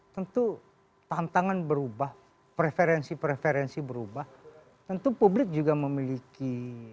tentu tantangan berubah preferensi preferensi berubah tentu publik juga memiliki